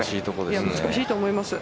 難しいと思います。